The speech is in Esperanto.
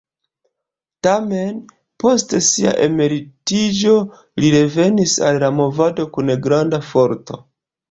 Tamen, post sia emeritiĝo li revenis al la movado kun granda forto.